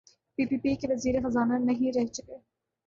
پی P P کے وزیر خزانہ نہیں رہ چکے؟